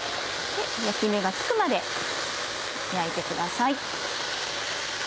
焼き目がつくまで焼いてください。